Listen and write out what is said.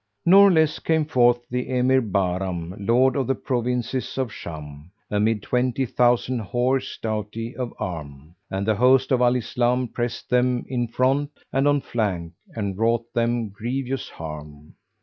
Nor less came forth the Emir Bahram, Lord of the Provinces of Sham, amid twenty thousand horse doughty of arm; and the host of Al Islam pressed them in front and on flank and wrought them grievous harm.